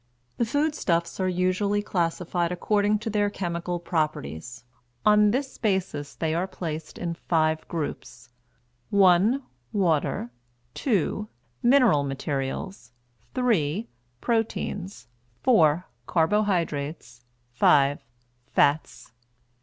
The foodstuffs are usually classified according to their chemical properties; on this basis they are placed in five groups: (1) Water, (2) Mineral Materials, (3) Proteins, (4) Carbohydrates, (5) Fats.